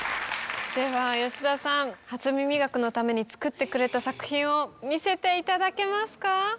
では吉田さん『初耳学』のために作ってくれた作品を見せていただけますか？